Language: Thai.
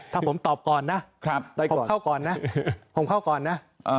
ถ้าผมตอบก่อนนะผมเข้าก่อนนะ